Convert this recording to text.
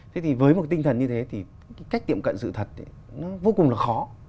thế thì với một tinh thần như thế thì cách tiệm cận sự thật vô cùng là khó